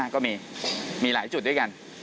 ก็มีหลายจุดด้วยกัน